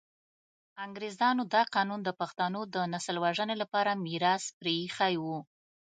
انګریزانو دا قانون د پښتنو د نسل وژنې لپاره میراث پرې ایښی وو.